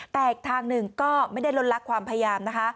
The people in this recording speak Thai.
แต่อีกทางหนึ่งก็ไม่ได้ลดลักความพยายามนะคะ